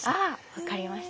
分かりました。